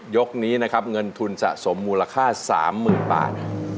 ยกนี้นะครับเงินทุนสะสมมูลค่า๓๐๐๐บาท